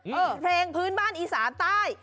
เพลงพื้นบ้านอีสานใต้